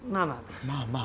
まあまあ。